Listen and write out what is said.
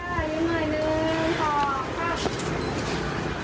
หนึ่งหน่อยหนึ่งสองครับ